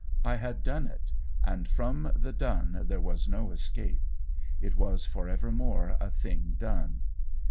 I had DONE it, and from the done there was no escape: it was for evermore a thing done.